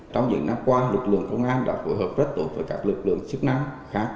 trong những năm qua lực lượng công an đã phối hợp rất tốt với các lực lượng chức năng khác